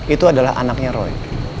itu adalah anaknya roy